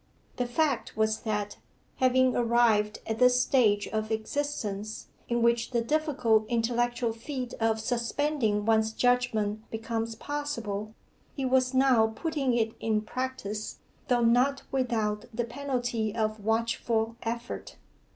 The fact was that, having arrived at the stage of existence in which the difficult intellectual feat of suspending one's judgment becomes possible, he was now putting it in practice, though not without the penalty of watchful effort.